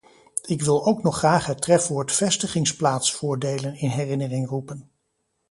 Ik wil ook nog graag het trefwoord vestigingsplaatsvoordelen in herinnering roepen.